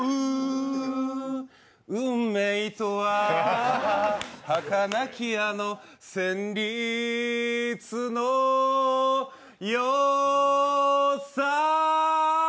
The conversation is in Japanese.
運命とは、はかなきあの旋律のようさ